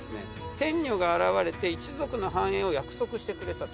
天女が現れて一族の繁栄を約束してくれたと。